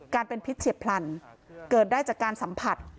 การเป็นพิษเฉียบพลันเกิดได้จากการสัมผัส